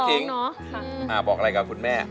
คุณแม่บอกอะไรกับคุณแม่